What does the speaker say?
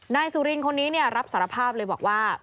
นายสุรินคนนี้รับสารภาพเลยบอกว่า